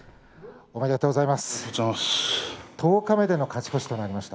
おめでとうございます。